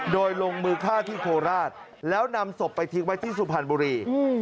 โดยลงมือฆ่าที่โคราชแล้วนำศพไปทิ้งไว้ที่สุพรรณบุรี